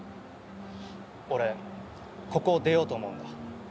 俺ここを出ようと思うんだ。